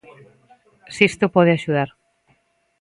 Sisto pode axudar.